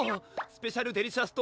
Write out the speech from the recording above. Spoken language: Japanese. スペシャルデリシャス